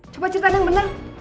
coba ceritain yang benar